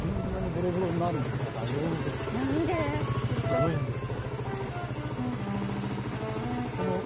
すごいんです。